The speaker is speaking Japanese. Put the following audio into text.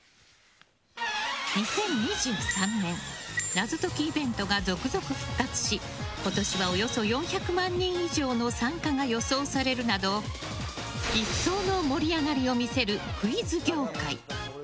２０２３年謎解きイベントが続々復活し今年はおよそ４００万人以上の参加が予想されるなど一層の盛り上がりを見せるクイズ業界。